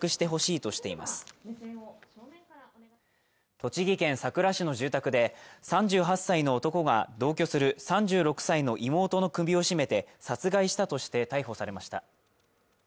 栃木県さくら市の住宅で３８歳の男が同居する３６歳の妹の首を絞めて殺害したとして逮捕されました